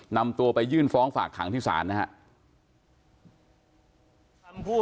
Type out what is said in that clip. นำตัวไปยื่นฟ้องฝากขังที่ศาลนะครับ